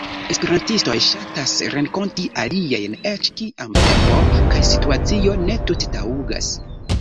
Esperantistoj ŝatas renkonti aliajn, eĉ kiam tempo kaj situacio ne tute taŭgas.